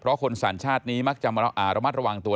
เพราะคนสัญชาตินี้มักจะมาระมัดระวังตัว